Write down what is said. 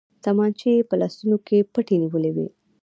تمانچې يې په لاسو کې پټې نيولې وې.